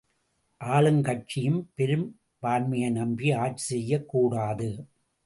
ஆளுங்கட்சியும் பெரும்பான்மையை நம்பி ஆட்சி செய்யக்கூடாது.